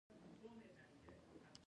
ډيپلومات د مهاجرو مسایل تعقیبوي.